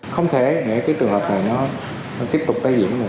không thể để cái trường hợp này nó tiếp tục tái diễn này